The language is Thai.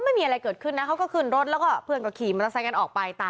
ล่ะล่ะล่ะล่ะล่ะล่ะล่ะล่ะล่ะล่ะล่ะล่ะล่ะล่ะล่ะล่ะล่ะล่ะ